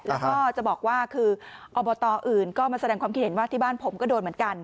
แล้วก็จะบอกว่าคืออบตอื่นก็มาแสดงความคิดเห็นว่าที่บ้านผมก็โดนเหมือนกัน